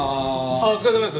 ああお疲れさまです。